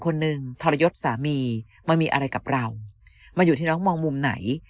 คนหนึ่งทรยศสามีมามีอะไรกับเรามาอยู่ที่น้องมองมุมไหน